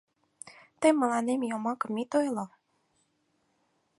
Тый мыланем йомакым ит ойло.